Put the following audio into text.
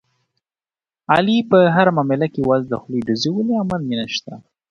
علي په هره معامله کې یوازې د خولې ډوزې ولي، عمل یې نشته.